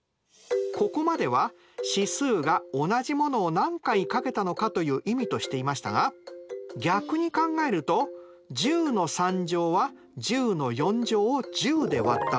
ここまでは指数が同じものを何回かけたのかという意味としていましたが逆に考えると１０は１０を１０で割ったもの。